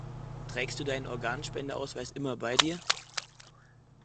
Trägst du deinen Organspendeausweis immer bei dir?